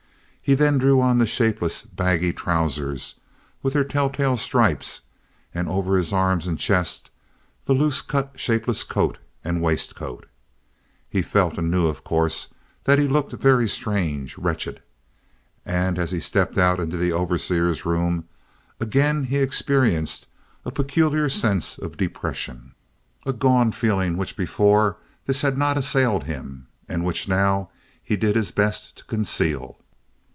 He then drew on the shapeless, baggy trousers with their telltale stripes, and over his arms and chest the loose cut shapeless coat and waistcoat. He felt and knew of course that he looked very strange, wretched. And as he stepped out into the overseer's room again he experienced a peculiar sense of depression, a gone feeling which before this had not assailed him and which now he did his best to conceal.